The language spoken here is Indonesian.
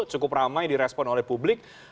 cukup ramai di respon oleh publik